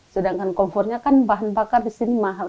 sedangkan kompornya kan bahan bakar di sini mahal